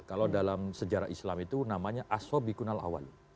kalau dalam sejarah islam itu namanya aswabikunal awal